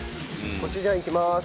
コチュジャンいきます。